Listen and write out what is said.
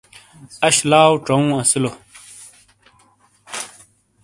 اش لاؤ ژوں اسیلو۔